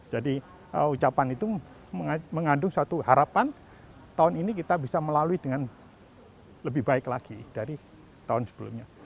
jadi ucapan itu mengandung suatu harapan tahun ini kita bisa melalui dengan lebih baik lagi dari tahun sebelumnya